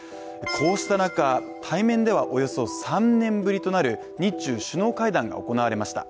こうした中、対面ではおよそ３年ぶりとなる日中首脳会談が行われました。